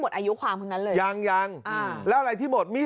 อายุความทั้งนั้นเลยยังยังอ่าแล้วอะไรที่หมดมีด